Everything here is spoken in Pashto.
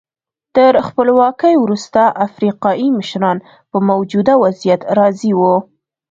تر خپلواکۍ وروسته افریقایي مشران په موجوده وضعیت راضي وو.